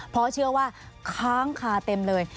เพราะเชื่อว่าค้างคาเต็มเลย